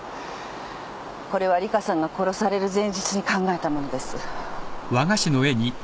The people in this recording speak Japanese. これは里香さんが殺される前日に考えたものです。